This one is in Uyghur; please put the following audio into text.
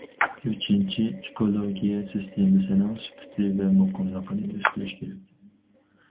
ئۈچىنچى، ئېكولوگىيە سىستېمىسىنىڭ سۈپىتى ۋە مۇقىملىقىنى ئۆستۈرۈش كېرەك.